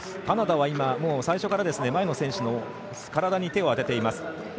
カナダは最初から前の選手の体に手を当てています。